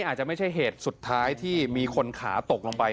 อาจจะไม่ใช่เหตุสุดท้ายที่มีคนขาตกลงไป